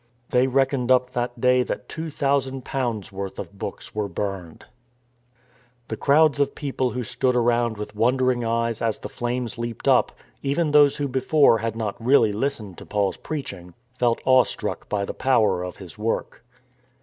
They reckoned up that day that two thousand pounds' worth of books were burned. The crowds of people who stood around with wondering eyes as the flames leaped up — even those who before had not really listened to Paul's preach ing — felt awestruck by the power of his work.